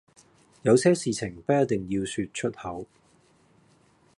有些事情不一定要說出口